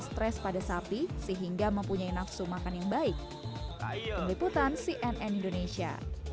stres pada sapi sehingga mempunyai nafsu makan yang baik tim liputan cnn indonesia